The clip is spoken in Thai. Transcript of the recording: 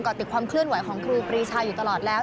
ก็ติดความเคลื่อนไหวของครูปรีชาอยู่ตลอดแล้ว